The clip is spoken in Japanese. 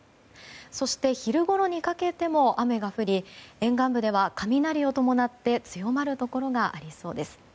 そして、昼ごろにかけても雨が降り沿岸部では雷を伴って強まるところがありそうです。